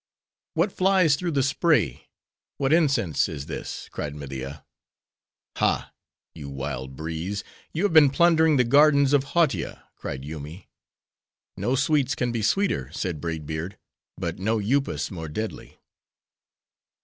"What flies through the spray! what incense is this?" cried Media. "Ha! you wild breeze! you have been plundering the gardens of Hautia," cried Yoomy. "No sweets can be sweeter," said Braid Beard, "but no Upas more deadly."